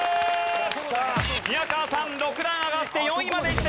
宮川さん６段上がって４位まで行ってください。